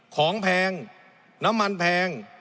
แพงน้ำมันแพง